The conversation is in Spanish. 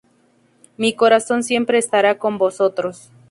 Mi corazón siempre estará con vosotros".